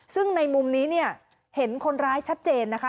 ซึ่งในมุมนี้เนี่ยเห็นคนร้ายชัดเจนนะคะ